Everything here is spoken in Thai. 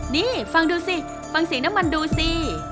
นี่ฟังดูสิ